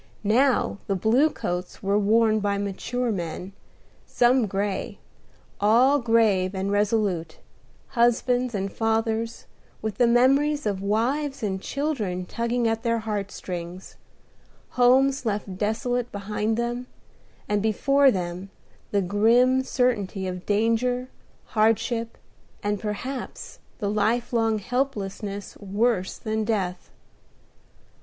Now the blue coats were worn by mature men, some gray, all grave and resolute: husbands and fathers, with the memory of wives and children tugging at their heart strings; homes left desolate behind them, and before them the grim certainty of danger, hardship, and perhaps the lifelong helplessness worse than death.